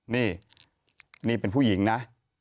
นี่นี่เป็นผู้หญิงนะ